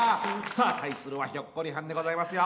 さあ対するはひょっこりはんでございますよ。